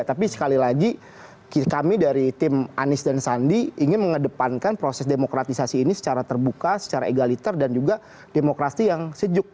tapi sekali lagi kami dari tim anies dan sandi ingin mengedepankan proses demokratisasi ini secara terbuka secara egaliter dan juga demokrasi yang sejuk